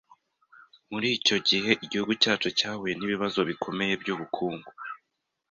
Muri icyo gihe, igihugu cyacu cyahuye n’ibibazo bikomeye by’ubukungu